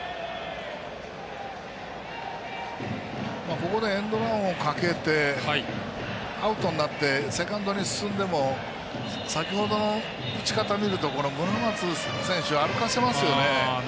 ここでエンドランをかけてアウトになってセカンドに進んでも先ほどの打ち方見ると村松選手は歩かせますよね。